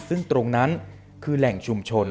ซึ่งตรงนั้นคือแหล่งชุมชน